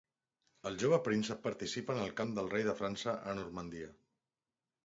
El jove príncep participa en el camp del rei de França a Normandia.